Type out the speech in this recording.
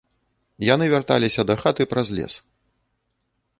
Яны вярталіся дахаты праз лес.